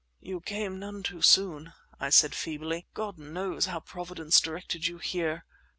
"You came none too soon," I said feebly. "God knows how Providence directed you here."